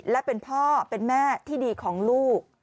และเป็นพ่อเป็นแม่ที่ดีของลูก